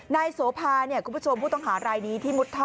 โสภาเนี่ยคุณผู้ชมผู้ต้องหารายนี้ที่มุดท่อ